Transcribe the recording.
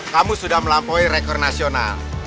kamu sudah melampaui rekor nasional